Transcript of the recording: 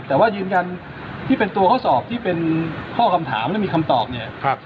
แต่ว่ายืนยันที่เป็นตัวข้อสอบที่เป็นข้อคำถามและมีคำตอบเนี่ย